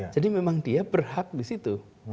jadi memang dia berhak di situ